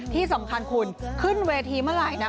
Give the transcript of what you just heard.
ที่สำคัญคุณขึ้นเวทีเมื่อไหร่นะ